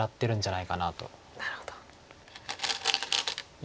なるほど。